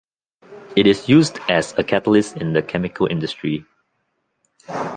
It is used as a catalyst in the chemical industry.